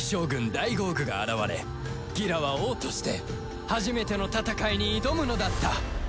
ダイゴーグが現れギラは王として初めての戦いに挑むのだったとさ